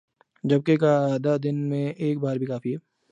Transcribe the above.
جبکہ کا اعادہ دن میں ایک بار بھی کافی ہے